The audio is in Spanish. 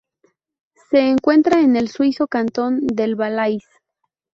Se encuentra en el suizo cantón del Valais.